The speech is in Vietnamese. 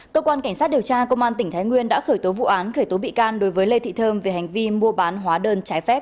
cơ quan cảnh sát điều tra công an tỉnh thái nguyên đã khởi tố vụ án khởi tố bị can đối với lê thị thơm về hành vi mua bán hóa đơn trái phép